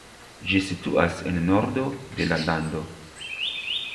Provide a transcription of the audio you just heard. Ĝi situas en nordo de la lando.